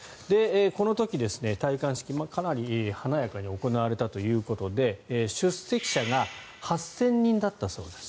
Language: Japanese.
この時、戴冠式かなり華やかに行われたということで出席者が８０００人だったそうです。